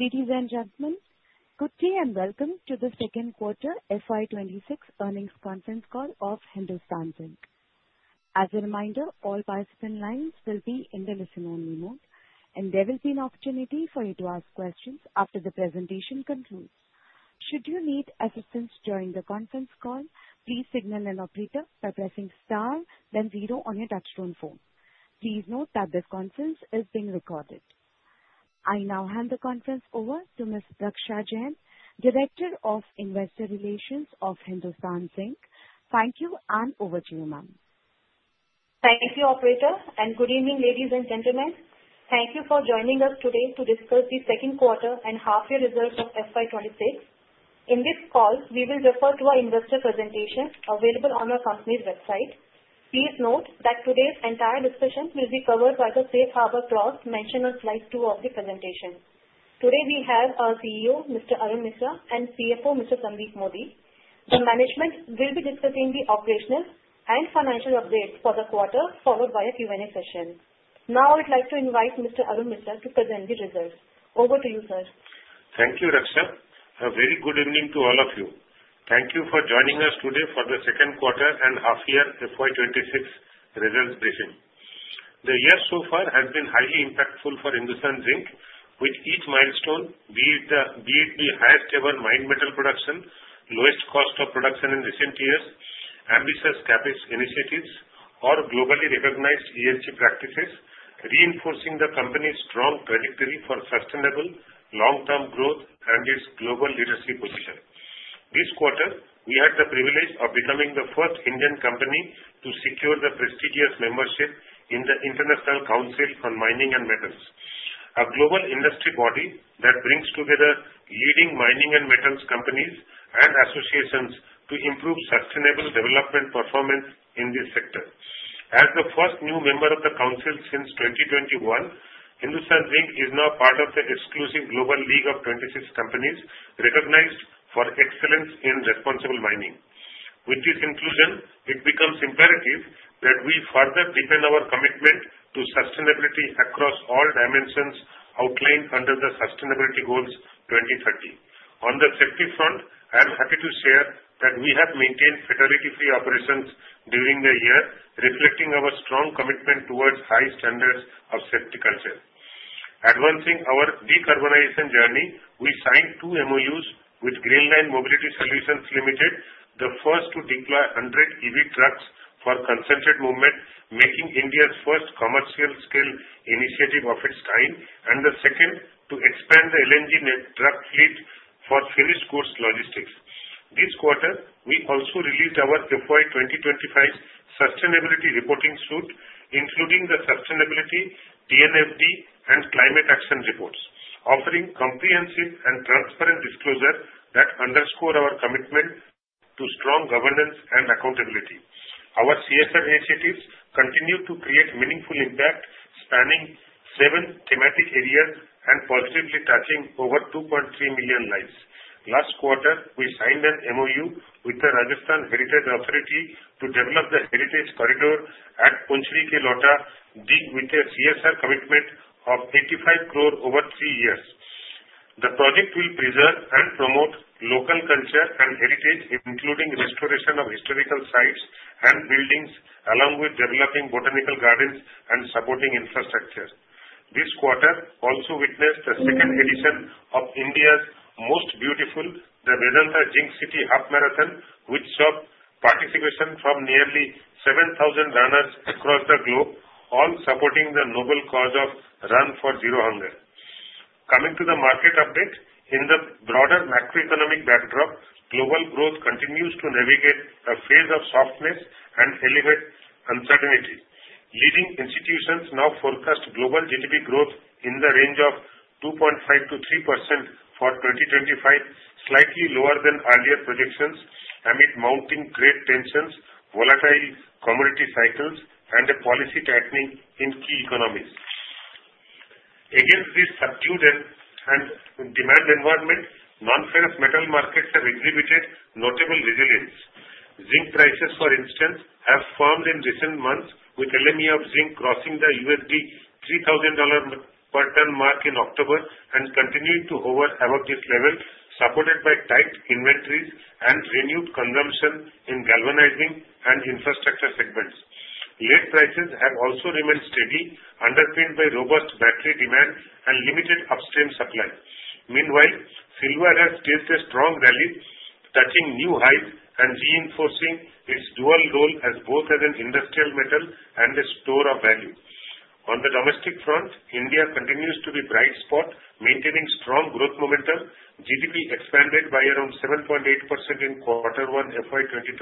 Ladies and gentlemen, good day and welcome to the Second Quarter FY 2026 Earnings Conference Call of Hindustan Zinc. As a reminder, all participant lines will be in the listen-only mode, and there will be an opportunity for you to ask questions after the presentation concludes. Should you need assistance during the conference call, please signal an operator by pressing star, then zero on your touch-tone phone. Please note that this conference is being recorded. I now hand the conference over to Ms. Raksha Jain, Director of Investor Relations of Hindustan Zinc. Thank you, and over to you, ma'am. Thank you, operator, and good evening, ladies and gentlemen. Thank you for joining us today to discuss the Second Quarter and Half-Year Results of FY 2026. In this call, we will refer to our investor presentation available on our company's website. Please note that today's entire discussion will be covered by the Safe Harbor Clause mentioned on slide two of the presentation. Today, we have our CEO, Mr. Arun Misra, and CFO, Mr. Sandeep Modi. The management will be discussing the operational and financial updates for the quarter, followed by a Q&A session. Now, I would like to invite Mr. Arun Misra to present the results. Over to you, sir. Thank you, Raksha. A very good evening to all of you. Thank you for joining us today for the Second Quarter and Half-Year FY 2026 results briefing. The year so far has been highly impactful for Hindustan Zinc, with each milestone being the highest-ever mine metal production, lowest cost of production in recent years, ambitious CapEx initiatives, or globally recognized ESG practices, reinforcing the company's strong trajectory for sustainable long-term growth and its global leadership position. This quarter, we had the privilege of becoming the first Indian company to secure the prestigious membership in the International Council on Mining and Metals, a global industry body that brings together leading mining and metals companies and associations to improve sustainable development performance in this sector. As the first new member of the council since 2021, Hindustan Zinc is now part of the exclusive global league of 26 companies recognized for excellence in responsible mining. With this inclusion, it becomes imperative that we further deepen our commitment to sustainability across all dimensions outlined under the Sustainability Goals 2030. On the safety front, I am happy to share that we have maintained fatality-free operations during the year, reflecting our strong commitment towards high standards of safety culture. Advancing our decarbonization journey, we signed two MOUs with GreenLine Mobility Solutions Limited, the first to deploy 100 EV trucks for concentrated movement, making India's first commercial-scale initiative of its kind, and the second to expand the LNG net truck fleet for finished goods logistics. This quarter, we also released our FY 2025 Sustainability Reporting suite, including the Sustainability, TNFD, and Climate Action Reports, offering comprehensive and transparent disclosures that underscore our commitment to strong governance and accountability. Our CSR initiatives continue to create meaningful impact, spanning seven thematic areas and positively touching over 2.3 million lives. Last quarter, we signed an MOU with the Rajasthan Heritage Authority to develop the heritage corridor at Poonchhari Ka Lauta, with a CSR commitment of 85 crore over three years. The project will preserve and promote local culture and heritage, including restoration of historical sites and buildings, along with developing botanical gardens and supporting infrastructure. This quarter also witnessed the second edition of India's most beautiful, the Vedanta Zinc City Half Marathon, which saw participation from nearly 7,000 runners across the globe, all supporting the noble cause of Run For Zero Hunger. Coming to the market update, in the broader macroeconomic backdrop, global growth continues to navigate a phase of softness and elevated uncertainties. Leading institutions now forecast global GDP growth in the range of 2.5%-3% for 2025, slightly lower than earlier projections amid mounting trade tensions, volatile commodity cycles, and policy tightening in key economies. Against this subdued demand environment, non-ferrous metal markets have exhibited notable resilience. Zinc prices, for instance, have firmed in recent months, with LME zinc crossing the $3,000 per ton mark in October and continuing to hover above this level, supported by tight inventories and renewed consumption in galvanizing and infrastructure segments. Lead prices have also remained steady, underpinned by robust battery demand and limited upstream supply. Meanwhile, silver has staged a strong rally, touching new highs and reinforcing its dual role as both an industrial metal and a store of value. On the domestic front, India continues to be a bright spot, maintaining strong growth momentum. GDP expanded by around 7.8% in quarter one FY 2026,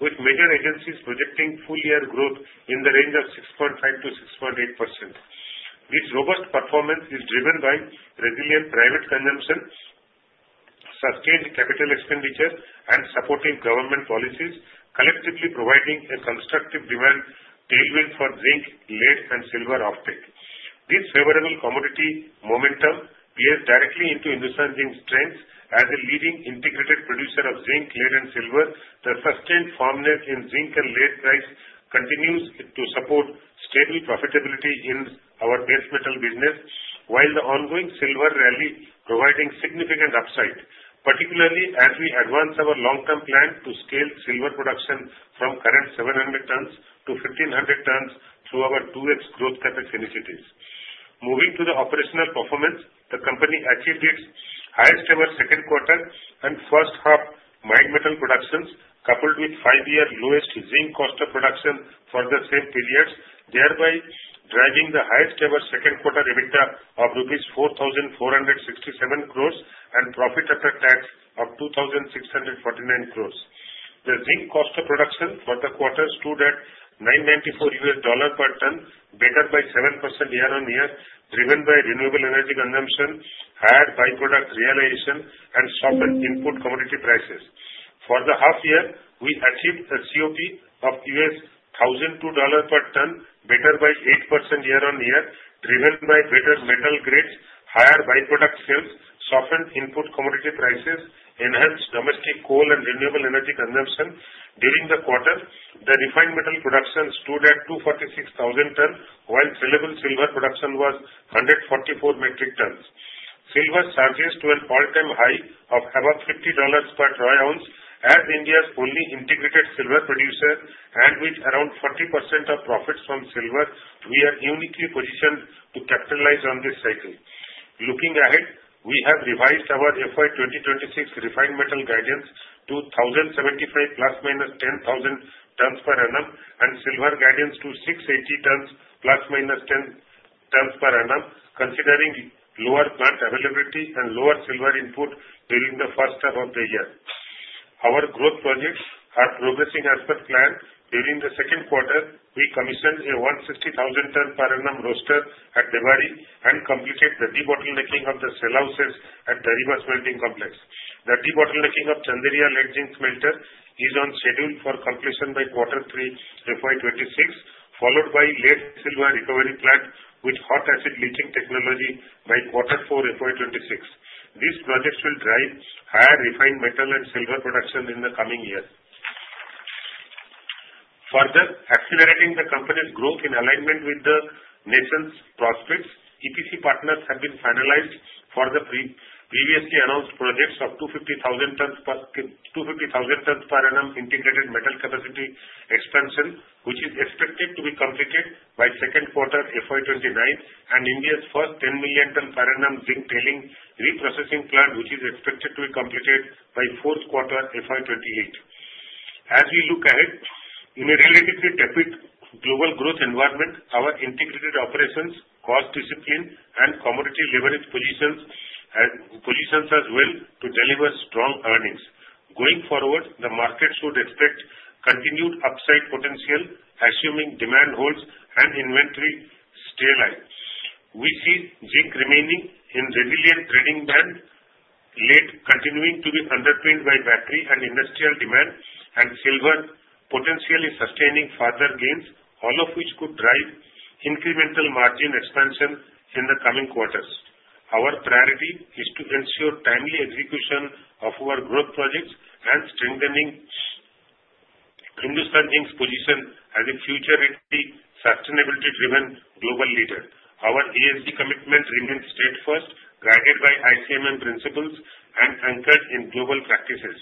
with major agencies projecting full-year growth in the range of 6.5%-6.8%. This robust performance is driven by resilient private consumption, sustained capital expenditure, and supporting government policies, collectively providing a constructive demand tailwind for zinc, lead, and silver offtake. This favorable commodity momentum plays directly into Hindustan Zinc's strength as a leading integrated producer of zinc, lead, and silver. The sustained firmness in zinc and lead price continues to support stable profitability in our base metal business, while the ongoing silver rally is providing significant upside, particularly as we advance our long-term plan to scale silver production from current 700 tons to 1,500 tons through our 2x growth CapEx initiatives. Moving to the operational performance, the company achieved its highest-ever second quarter and first-half mine metal productions, coupled with five-year lowest zinc cost of production for the same periods, thereby driving the highest-ever second quarter EBITDA of INR 4,467 crores and profit after tax of INR 2,649 crores. The zinc cost of production for the quarter stood at $994 per ton, better by 7% year-on-year, driven by renewable energy consumption, higher byproduct realization, and softened input commodity prices. For the half-year, we achieved a COP of $1,002 per ton, better by 8% year-on-year, driven by better metal grades, higher byproduct sales, softened input commodity prices, enhanced domestic coal and renewable energy consumption. During the quarter, the refined metal production stood at 246,000 tons, while sellable silver production was 144 metric tons. Silver surges to an all-time high of about $50 per troy ounce. As India's only integrated silver producer and with around 40% of profits from silver, we are uniquely positioned to capitalize on this cycle. Looking ahead, we have revised our FY 2026 refined metal guidance to 1,075 ± 10,000 tons per annum and silver guidance to 680 tons ± 10 tons per annum, considering lower plant availability and lower silver input during the first half of the year. Our growth projects are progressing as per plan. During the second quarter, we commissioned a 160,000 tons per annum Roaster at Debari and completed the de-bottlenecking of the cell houses at Dariba Smelting Complex. The de-bottlenecking of Chanderia Lead-Zinc Smelter is on schedule for completion by quarter three FY 2026, followed by Lead Silver Recovery Plant with hot acid leaching technology by quarter four FY 2026. These projects will drive higher refined metal and silver production in the coming years. Further, accelerating the company's growth in alignment with the nation's prospects, EPC partners have been finalized for the previously announced projects of 250,000 tons per annum integrated metal capacity expansion, which is expected to be completed by second quarter FY 2029, and India's first 10 million ton per annum zinc tailing reprocessing plant, which is expected to be completed by fourth quarter FY 2028. As we look ahead, in a relatively tepid global growth environment, our integrated operations, cost discipline, and commodity leverage positions are well to deliver strong earnings. Going forward, the market should expect continued upside potential, assuming demand holds and inventory stay alive. We see zinc remaining in resilient trading band, lead continuing to be underpinned by battery and industrial demand, and silver potentially sustaining further gains, all of which could drive incremental margin expansion in the coming quarters. Our priority is to ensure timely execution of our growth projects and strengthening Hindustan Zinc's position as a future sustainability-driven global leader. Our ESG commitment remains straightforward, guided by ICMM principles, and anchored in global practices.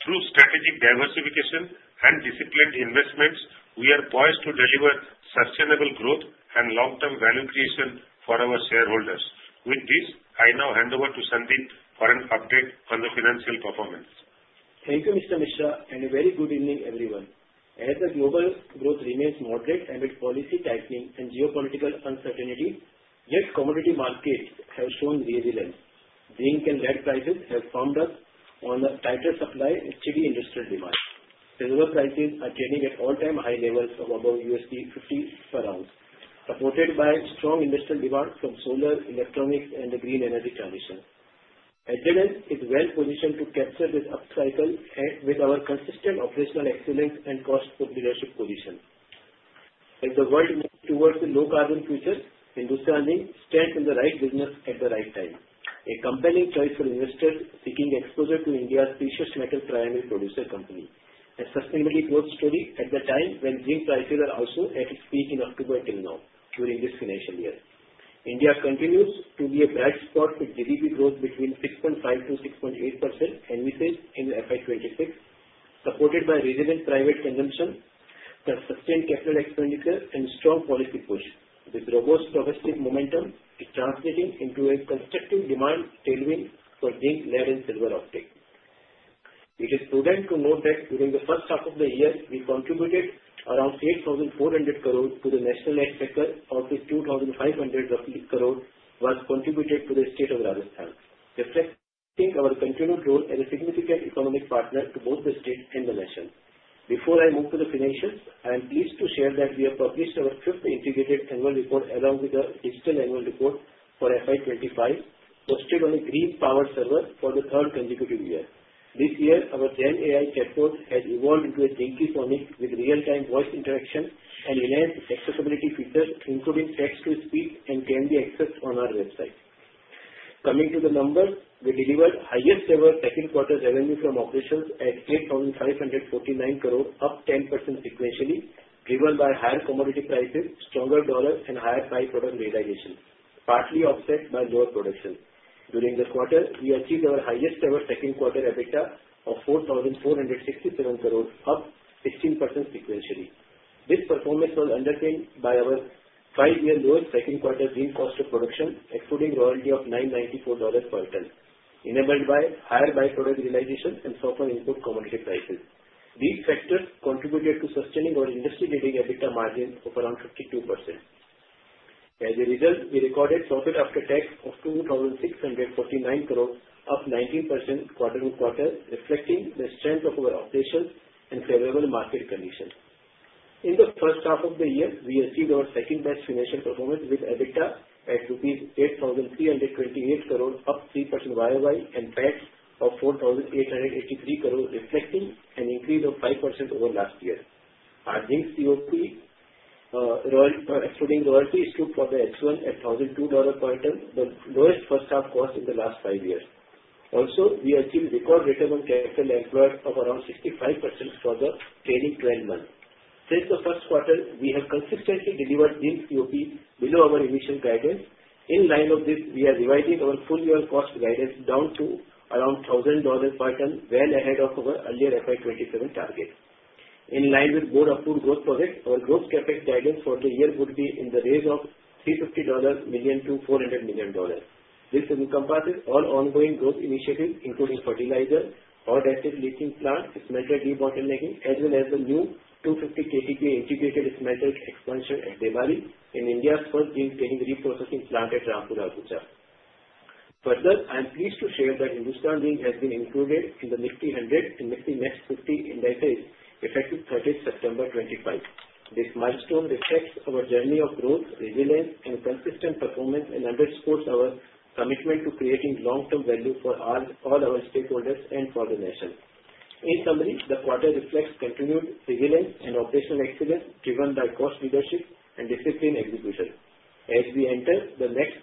Through strategic diversification and disciplined investments, we are poised to deliver sustainable growth and long-term value creation for our shareholders. With this, I now hand over to Sandeep for an update on the financial performance. Thank you, Mr. Misra, and a very good evening, everyone. As the global growth remains moderate amid policy tightening and geopolitical uncertainty, yet commodity markets have shown resilience. Zinc and lead prices have firmed up on a tighter supply to industrial demand. Silver prices are trading at all-time high levels above $50 per ounce, supported by strong industrial demand from solar, electronics, and the green energy transition. Hindustan Zinc is well positioned to capture this upcycle with our consistent operational excellence and cost leadership position. As the world moves towards a low-carbon future, Hindustan Zinc stands in the right business at the right time, a compelling choice for investors seeking exposure to India's precious metal primary producer company. A sustainability growth story at the time when zinc prices are also at its peak in October till now during this financial year. India continues to be a bright spot with GDP growth between 6.5%-6.8% envisaged in FY 2026, supported by resilient private consumption, consistent capital expenditure, and strong policy push. This robust domestic momentum is translating into a constructive demand tailwind for zinc, lead, and silver offtake. It is prudent to note that during the first half of the year, we contributed around 8,400 crore to the national exchequer, of which 2,500 crore rupees was contributed to the state of Rajasthan, reflecting our continued role as a significant economic partner to both the state and the nation. Before I move to the financials, I am pleased to share that we have published our fifth integrated annual report along with the digital annual report for FY 2025, hosted on a green-powered server for the third consecutive year. This year, our GenAI chatbot has evolved into a Zincky with real-time voice interaction and enhanced accessibility features, including text-to-speech, and can be accessed on our website. Coming to the numbers, we delivered highest-ever second quarter revenue from operations at 8,549 crore, up 10% sequentially, driven by higher commodity prices, stronger dollar, and higher byproduct realization, partly offset by lower production. During the quarter, we achieved our highest-ever second quarter EBITDA of 4,467 crore, up 16% sequentially. This performance was underpinned by our five-year lowest second quarter zinc cost of production, excluding royalty of $994 per ton, enabled by higher byproduct realization and softened input commodity prices. These factors contributed to sustaining our industry-leading EBITDA margin of around 52%. As a result, we recorded profit after tax of 2,649 crore, up 19% quarter-to-quarter, reflecting the strength of our operations and favorable market conditions. In the first half of the year, we achieved our second-best financial performance with EBITDA at INR 8,328 crore, up 3% YoY, and PAT of INR 4,883 crore, reflecting an increase of 5% over last year. Our zinc COP, excluding royalty, stood at an excellent $1,002 per ton, the lowest first-half cost in the last five years. Also, we achieved record return on capital employed of around 65% for the trailing 12 months. Since the first quarter, we have consistently delivered zinc CoP below our initial guidance. In line with this, we are revising our full-year cost guidance down to around $1,000 per ton, well ahead of our earlier FY 2027 target. In line with more approved growth projects, our growth capex guidance for the year would be in the range of $350 million-$400 million. This encompasses all ongoing growth initiatives, including fertilizer, hot acid leaching plant, smelter de-bottlenecking, as well as the new 250 KTPA integrated smelter expansion at Debari in India's first zinc tailing reprocessing plant at Rampura Agucha. Further, I am pleased to share that Hindustan Zinc has been included in the Nifty 100 and Nifty Next 50 indices effective 30 September 2025. This milestone reflects our journey of growth, resilience, and consistent performance and underscores our commitment to creating long-term value for all our stakeholders and for the nation. In summary, the quarter reflects continued resilience and operational excellence driven by cost leadership and disciplined execution. As we enter the next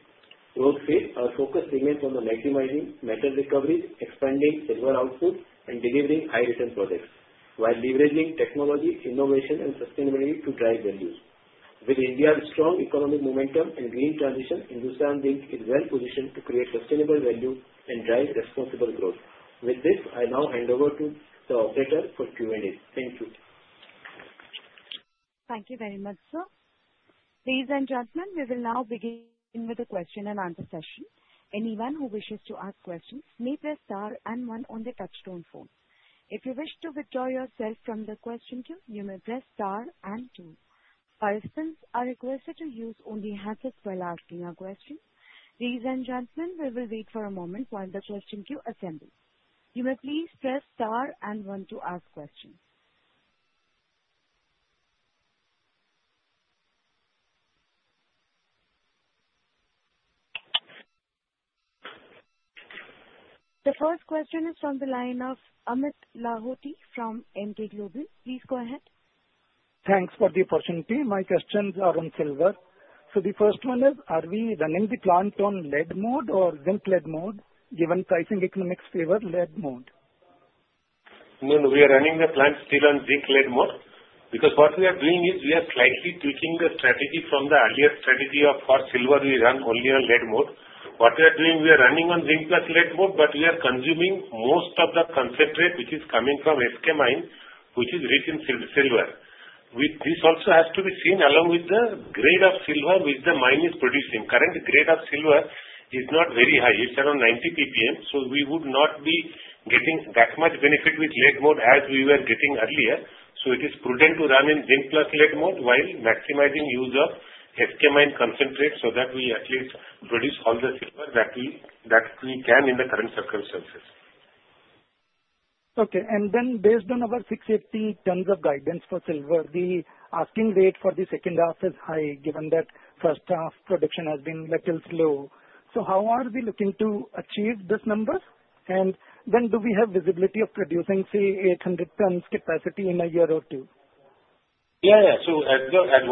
growth phase, our focus remains on maximizing metal recovery, expanding silver output, and delivering high-return projects, while leveraging technology, innovation, and sustainability to drive value. With India's strong economic momentum and green transition, Hindustan Zinc is well positioned to create sustainable value and drive responsible growth. With this, I now hand over to the operator for Q&A. Thank you. Thank you very much, sir. Ladies and gentlemen, we will now begin with a question and answer session. Anyone who wishes to ask questions may press star and one on the touch-tone phone. If you wish to withdraw yourself from the question queue, you may press star and two. Persons are requested to use only handsets while asking a question. Ladies and gentlemen, we will wait for a moment while the question queue assembles. You may please press star and one to ask questions. The first question is from the line of Amit Lahoti from Emkay Global. Please go ahead. Thanks for the opportunity. My questions are on silver. So the first one is, are we running the plant on lead mode or zinc-lead mode? Given pricing economics favors lead mode. No, no. We are running the plant still on zinc lead mode because what we are doing is we are slightly tweaking the strategy from the earlier strategy of for silver we run only on lead mode. What we are doing, we are running on zinc plus lead mode, but we are consuming most of the concentrate which is coming from SK Mine, which is rich in silver. This also has to be seen along with the grade of silver which the mine is producing. Current grade of silver is not very high. It's around 90 ppm. So we would not be getting that much benefit with lead mode as we were getting earlier. So it is prudent to run in zinc plus lead mode while maximizing use of SK Mine concentrate so that we at least produce all the silver that we can in the current circumstances. Okay. And then based on our 680 tons of guidance for silver, the asking rate for the second half is high given that first half production has been a little slow. So how are we looking to achieve this number? And then do we have visibility of producing, say, 800 tons capacity in a year or two? Yeah, yeah. So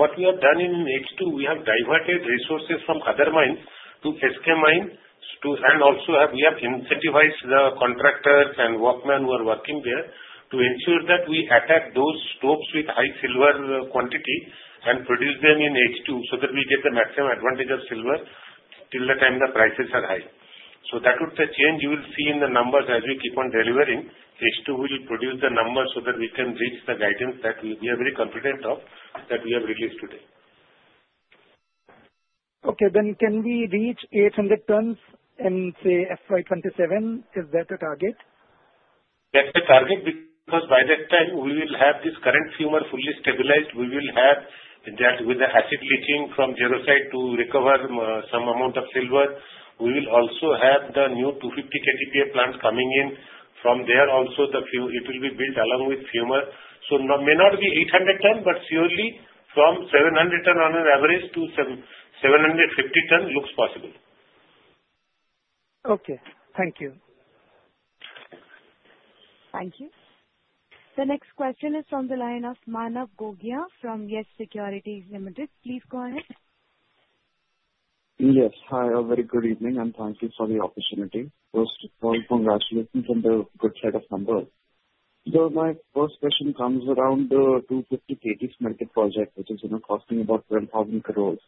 what we have done in H2, we have diverted resources from other mines to SK Mine, and also we have incentivized the contractors and workmen who are working there to ensure that we attack those stocks with high silver quantity and produce them in H2 so that we get the maximum advantage of silver till the time the prices are high. So that would be the change you will see in the numbers as we keep on delivering. H2 will produce the numbers so that we can reach the guidance that we are very confident of that we have released today. Okay. Then can we reach 800 tons in, say, FY 2027? Is that a target? That's the target because by that time we will have this current Fumer fully stabilized. We will have that with the acid leaching from jarosite to recover some amount of silver. We will also have the new 250 KTPA plant coming in from there. Also, it will be built along with Fumer. So it may not be 800 ton, but surely from 700 ton on an average to 750 ton looks possible. Okay. Thank you. Thank you. The next question is from the line of Manav Gogia from YES Securities Limited. Please go ahead. Yes. Hi. A very good evening, and thank you for the opportunity. First of all, congratulations on the good set of numbers. So my first question comes around the 250 KTPA project, which is costing about 12,000 crores.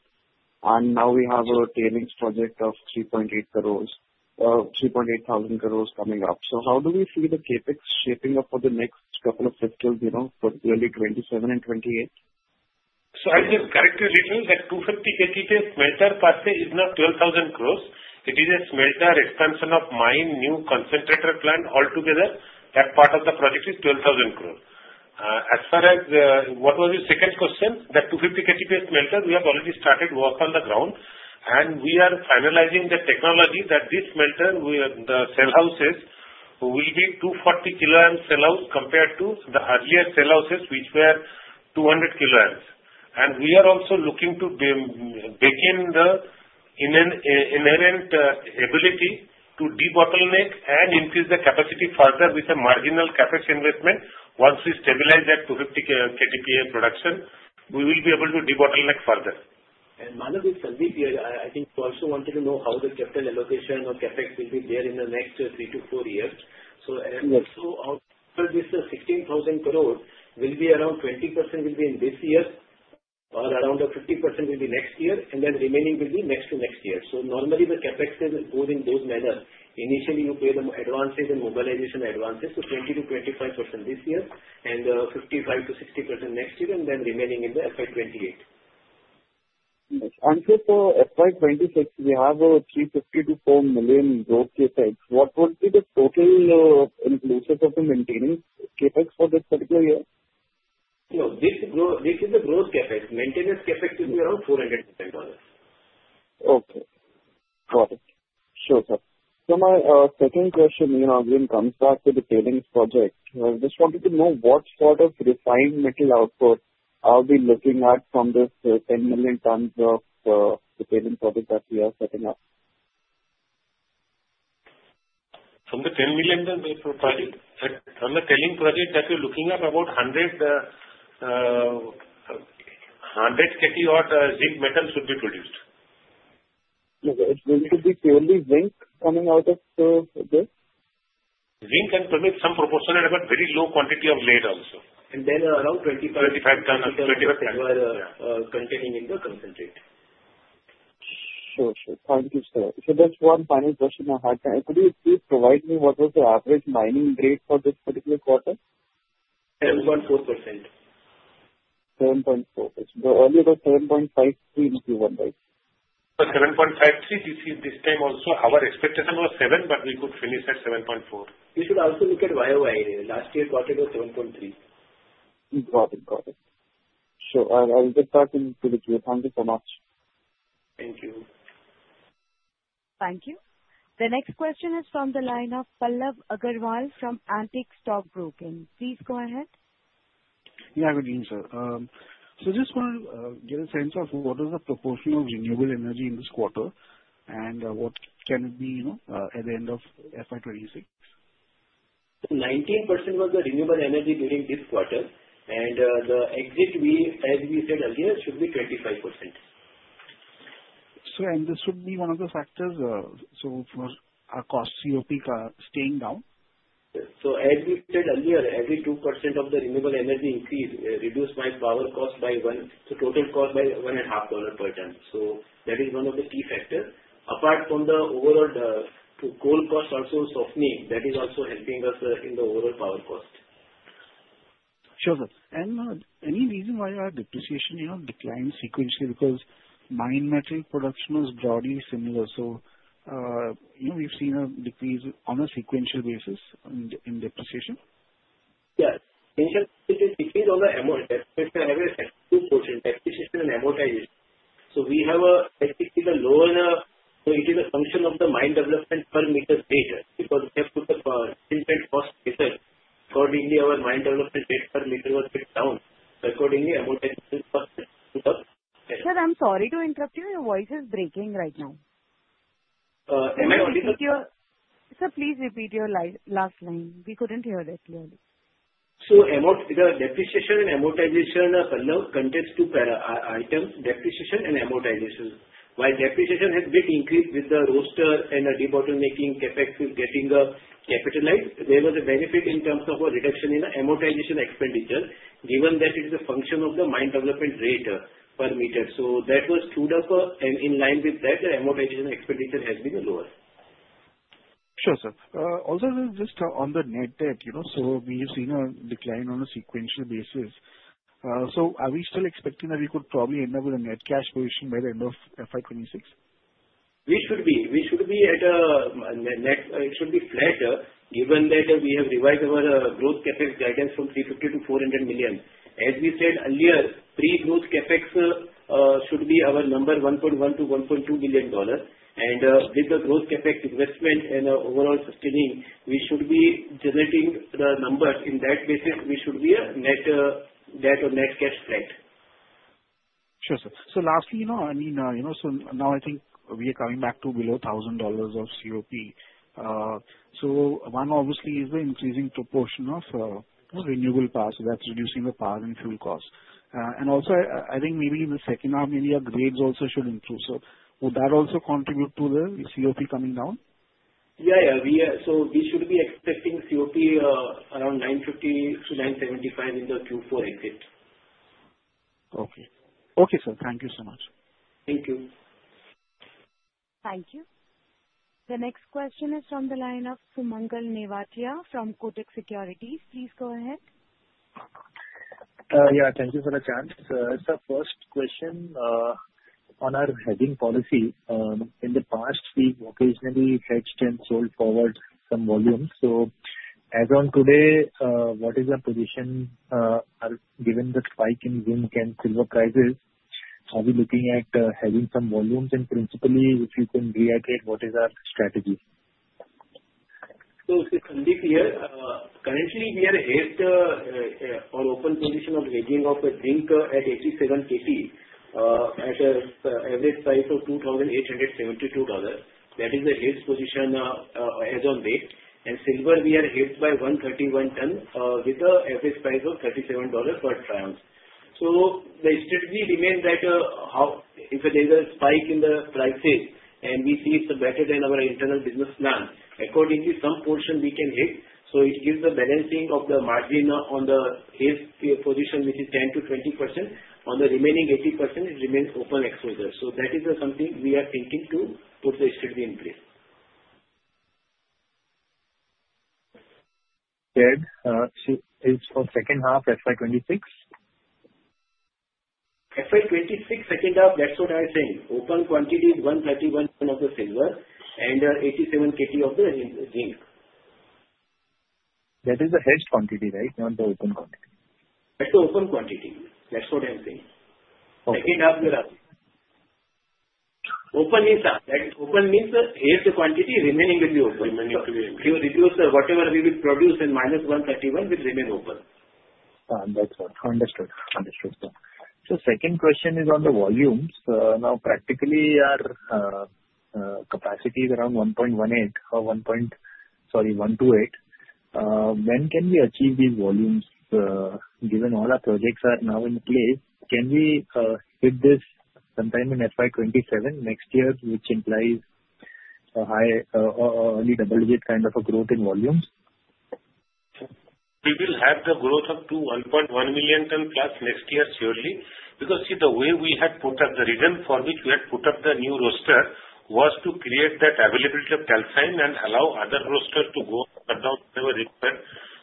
And now we have a tailings project of 3.8 crores coming up. So how do we see the CapEx shaping up for the next couple of fiscal years, early 2027 and 2028? So, I'll just correct you a little, that 250 KTPA smelter cost is now 12,000 crores. It is a smelter expansion of mine, new concentrator plant altogether. That part of the project is 12,000 crores. As far as what was your second question, that 250 KTPA smelter, we have already started work on the ground, and we are finalizing the technology that this smelter, the cell houses, will be 240 kiloamps cell house compared to the earlier cell houses, which were 200 kiloamps, and we are also looking to begin the inherent ability to de-bottleneck and increase the capacity further with a marginal CapEx investment. Once we stabilize that 250 KTPA production, we will be able to de-bottleneck further. And Manav, it's a bit here. I think you also wanted to know how the capital allocation or CapEx will be there in the next three to four years. So also outside this 16,000 crore, will be around 20% will be this year or around 50% will be next year, and then remaining will be next to next year. So normally the CapEx goes in those manners. Initially, you pay the advances and mobilization advances, so 20%-25% this year and 55%-60% next year, and then remaining in the FY 2028. Thank you. For FY 2026, we have $350 million-400 million growth CapEx. What would be the total inclusive of the maintenance CapEx for this particular year? No, this is the growth CapEx. Maintenance CapEx will be around $400 million. Okay. Got it. Sure, sir. So my second question, in a moment, comes back to the tailings project. I just wanted to know what sort of refined metal output are we looking at from this 10 million tons of the tailings project that we are setting up? From the 10 million tons project, from the tailings project that we're looking at, about 100 KTPA zinc metal should be produced. Okay. It's going to be purely zinc coming out of this? Zinc and permit some proportionate but very low quantity of lead also. Around 25 tons of zinc are containing in the concentrate. Sure, sure. Thank you, sir. So just one final question I had. Could you please provide me what was the average mining grade for this particular quarter? 7.4%. 7.4%. So earlier was 7.53% in Q1, right? But 7.53% this time also. Our expectation was 7%, but we could finish at 7.4%. You should also look at YoY. Last year's quarter was 7.3%. Got it, got it. Sure. I'll get back into the queue. Thank you so much. Thank you. Thank you. The next question is from the line of Pallav Agarwal from Antique Stock Broking. Please go ahead. Yeah, good evening, sir. So I just want to get a sense of what is the proportion of renewable energy in this quarter and what can it be at the end of FY 2026? 19% was the renewable energy during this quarter, and the exit, as we said earlier, should be 25%. Sir, and this would be one of the factors for our cost CoP staying down? So as we said earlier, every 2% of the renewable energy increase reduces my power cost by 1% to total cost by $1.5 per ton. So that is one of the key factors. Apart from the overall coal cost also softening, that is also helping us in the overall power cost. Sure, sir. And any reason why our depreciation declines sequentially? Because mined metal production is broadly similar. So we've seen a decrease on a sequential basis in depreciation. Yes. Initially, it decreased on the amortization. I have a 2% depreciation and amortization. So we have basically the lower so it is a function of the mine development per meter rate because we have put the instant cost effect. Accordingly, our mine development rate per meter was put down. So accordingly, amortization cost has put up. Sir, I'm sorry to interrupt you. Your voice is breaking right now. Am I audible? Sir, please repeat your last line. We couldn't hear that clearly. So depreciation and amortization, Pallav, consists of two items, depreciation and amortization. While depreciation has been increased with the Roaster and the de-bottlenecking CapEx getting capitalized, there was a benefit in terms of a reduction in amortization expenditure given that it is a function of the mine development rate per meter. So that was truly in line with that amortization expenditure has been lower. Sure, sir. Also, just on the net debt, so we've seen a decline on a sequential basis. So are we still expecting that we could probably end up with a net cash position by the end of FY 2026? We should be at net debt. It should be flat given that we have revised our growth CapEx guidance from $350 million to $400 million. As we said earlier, pre-growth CapEx should be our number $1.1 billion-$1.2 billion. With the growth CapEx investment and overall sustaining, we should be generating the numbers. On that basis, we should be net debt or net cash flat. Sure, sir. So lastly, I mean, so now I think we are coming back to below $1,000 of CoP. So one, obviously, is the increasing proportion of renewable power. So that's reducing the power and fuel cost. And also, I think maybe in the second half, maybe our grades also should improve. So would that also contribute to the CoP coming down? Yeah, yeah, so we should be expecting CoP around 950-975 in the Q4 exit. Okay. Okay, sir. Thank you so much. Thank you. Thank you. The next question is from the line of Sumangal Nevatia from Kotak Securities. Please go ahead. Yeah. Thank you for the chance. It's a first question. On our hedging policy, in the past, we've occasionally hedged and sold forward some volumes. So as of today, what is our position given the spike in zinc and silver prices? Are we looking at hedging some volumes? And principally, if you can reiterate, what is our strategy? So, to be clear, currently, we are hedged or open position of hedging of zinc at 87 KTPA at an average price of $2,872. That is the hedged position as of date. And silver, we are hedged by 131 tons with an average price of $37 per tranche. So the strategy remains that if there is a spike in the prices and we see it's better than our internal business plan, accordingly, some portion we can hedge. So it gives the balancing of the margin on the hedged position, which is 10%-20%. On the remaining 80%, it remains open exposure. So that is something we are thinking to put the strategy in place. Third, it's for second half FY 2026? FY26, second half, that's what I was saying. Open quantity is 131 tons of the silver and 87 KTPA of the zinc. That is the hedged quantity, right, not the open quantity? That's the open quantity. That's what I'm saying. Okay. Second half, we're up. Open means hedged quantity remaining will be open. Remaining to be open. If you reduce whatever we will produce and -131, it will remain open. That's right. Understood. Understood, sir. So second question is on the volumes. Now, practically, our capacity is around 1.18 or 1.28. When can we achieve these volumes? Given all our projects are now in place, can we hit this sometime in FY 2027 next year, which implies a high or early double-digit kind of a growth in volumes? We will have the growth of 1.1 million tons plus next year, surely. Because, see, the way we had put up the reason for which we had put up the new Roaster was to create that availability of calcine and allow other Roasters to go down whenever required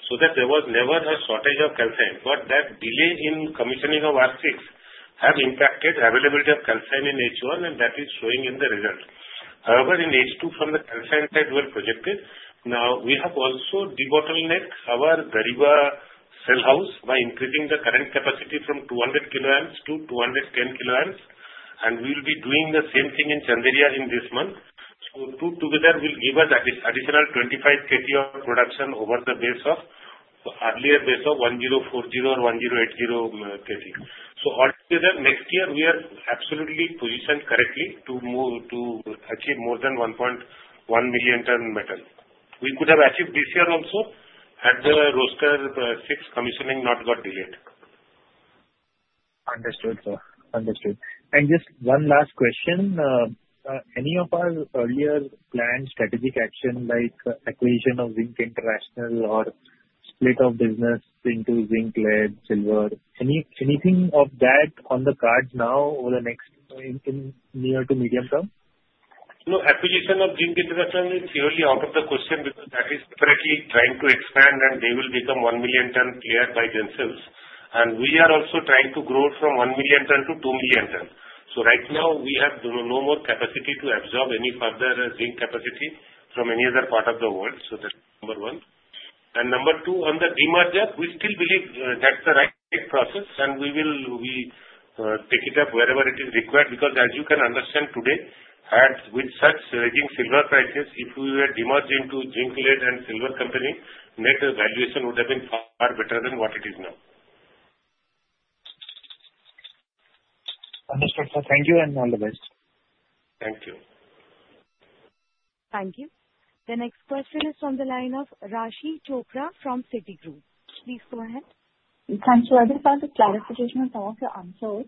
so that there was never a shortage of calcine. But that delay in commissioning of R6 has impacted availability of calcine in H1, and that is showing in the result. However, in H2, from the calcine side we are projected. Now, we have also de-bottlenecked our Dariba cell house by increasing the current capacity from 200 kiloamps to 210 kiloamps. And we will be doing the same thing in Chanderia in this month. So together, it will give us additional 25 KTPA of production over the earlier base of 1040 or 1080 KT. So altogether, next year, we are absolutely positioned correctly to achieve more than 1.1 million tons metal. We could have achieved this year also had the Roaster 6 commissioning not got delayed. Understood, sir. Understood. And just one last question. Any of our earlier planned strategic action like acquisition of Zinc International or split of business into zinc, lead, silver, anything of that on the cards now or in near to medium term? No. Acquisition of Zinc International is purely out of the question because that is directly trying to expand, and they will become one million tons player by themselves, and we are also trying to grow from one million tons to two million tons, so right now, we have no more capacity to absorb any further zinc capacity from any other part of the world, so that's number one, and number two, on the demerger, we still believe that's the right process, and we will take it up wherever it is required because, as you can understand today, with such raging silver prices, if we were demerged into zinc, lead, and silver company, net valuation would have been far better than what it is now. Understood, sir. Thank you and all the best. Thank you. Thank you. The next question is from the line of Raashi Chopra from Citigroup. Please go ahead. Thank you. I just wanted a clarification on some of your answers.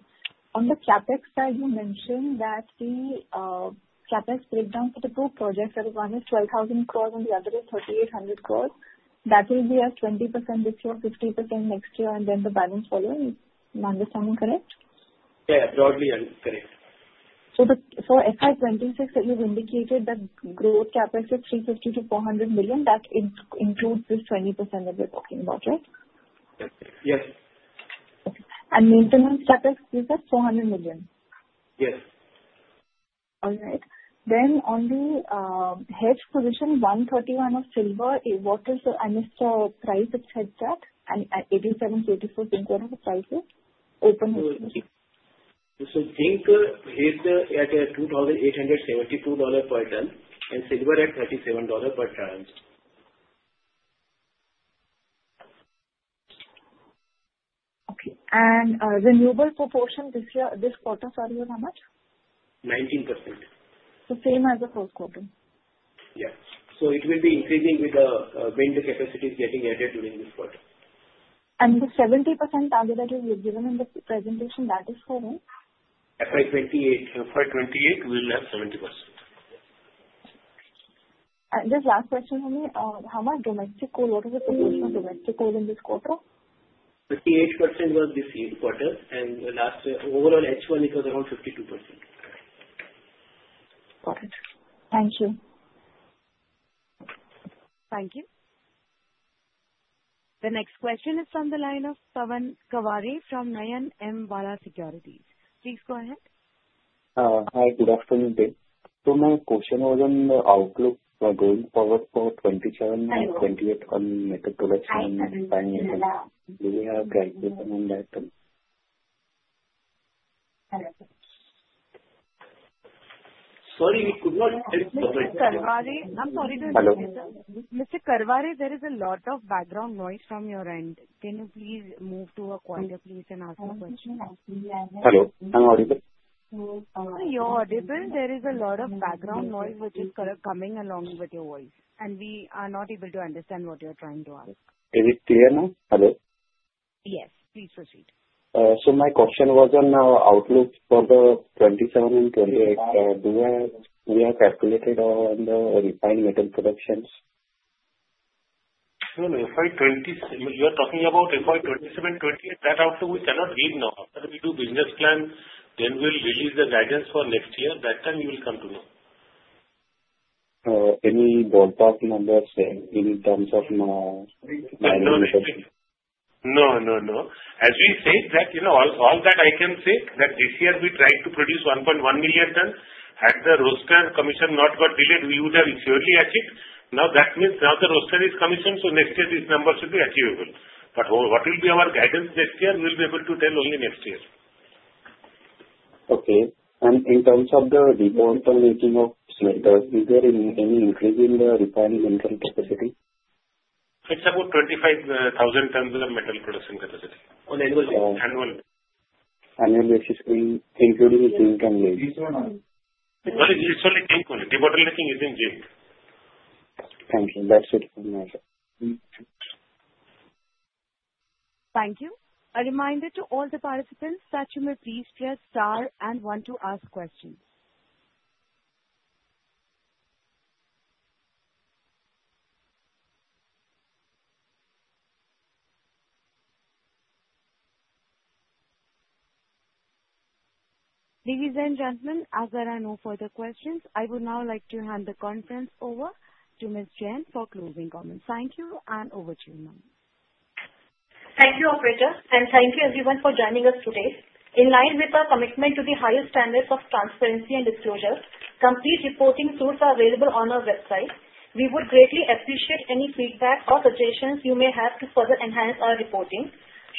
On the CapEx side, you mentioned that the CapEx breakdown for the two projects, that one is 12,000 crores and the other is 3,800 crores. That will be a 20% this year, 50% next year, and then the balance following. Is my understanding correct? Yeah, broadly correct. So for FY 2026, you've indicated that growth CapEx is $350 million-$400 million. That includes this 20% that we're talking about, right? Yes. Okay. And maintenance CapEx, you said $400 million? Yes. All right, then on the hedged position 131 of silver, what is the? I missed the price it said that, and 87 KTPA of zinc, what are the prices? Open with. Zinc hedged at $2,872 per ton and silver at $37 per tranche. Okay. And renewable proportion this quarter, sorry, was how much? 19%. So same as the first quarter? Yeah. So it will be increasing with the wind capacity getting added during this quarter. And the 70% target that you've given in the presentation, that is for when? FY 2028. FY 2028, we will have 70%. And just last question for me, how much domestic coal? What was the proportion of domestic coal in this quarter? 58% was this quarter. And last overall H1, it was around 52%. Got it. Thank you. Thank you. The next question is from the line of Pavan Kaware from Nayan M. Vala Securities. Please go ahead. Hi. Good afternoon, sir. So my question was on the outlook for going forward for 2027 and 2028 on metal production and zinc metal. Do we have guidance on that? Sorry, we could not hear you. Mr. Kaware, I'm sorry to interrupt you, sir. Mr. Kaware, there is a lot of background noise from your end. Can you please move to a quieter place and ask the question? Hello. I'm audible? You're audible. There is a lot of background noise which is coming along with your voice, and we are not able to understand what you're trying to ask. Is it clear now? Hello? Yes. Please proceed. So my question was on the outlook for 2027 and 2028. Do we have calculated on the refined metal productions? No, no. You're talking about FY 2027, 2028. That outlook we cannot give now. We do business plan, then we'll release the guidance for next year. That time, you will come to know. Any ballpark numbers in terms of manufacturing? No, no, no. As we said, all that I can say, that this year we tried to produce 1.1 million tons. Had the Roaster commission not got delayed, we would have surely achieved. Now, that means now the Roaster is commissioned, so next year these numbers should be achievable. But what will be our guidance next year, we'll be able to tell only next year. Okay. And in terms of the debottlenecking of silver, is there any increase in the refined metal capacity? It's about 25,000 tons of metal production capacity. On annual basis? Annual. Annual basis including zinc and lead. It's only zinc. Debari is in zinc. Thank you. That's it from my side. Thank you. A reminder to all the participants that you may please press star and one to ask questions. Ladies and gentlemen, as there are no further questions, I would now like to hand the conference over to Ms. Jain for closing comments. Thank you and over to you, ma'am. Thank you, Operator, and thank you, everyone, for joining us today. In line with our commitment to the highest standards of transparency and disclosure, complete reporting tools are available on our website. We would greatly appreciate any feedback or suggestions you may have to further enhance our reporting.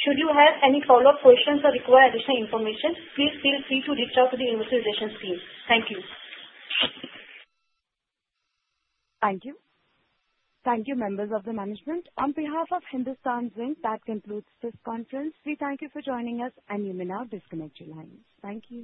Should you have any follow-up questions or require additional information, please feel free to reach out to the Investor Relations team. Thank you. Thank you. Thank you, members of the management. On behalf of Hindustan Zinc, that concludes this conference. We thank you for joining us, and you may now disconnect your lines. Thank you.